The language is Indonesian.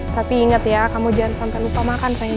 tapi ingat ya kamu jangan sampai lupa makan saya